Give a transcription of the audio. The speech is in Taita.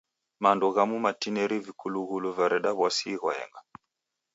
Mando ghamu matineri vikulughulu vareda w'asi ghwaenga.